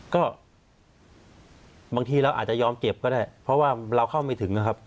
ก็บางทีเราอาจจะยอมเก็บก็ได้เพราะว่าเราเข้าไม่ถึงนะครับ